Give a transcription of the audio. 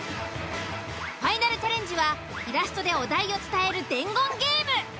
ファイナルチャレンジはイラストでお題を伝える伝言ゲーム。